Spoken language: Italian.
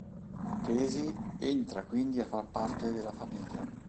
Casey entra quindi a far parte della famiglia.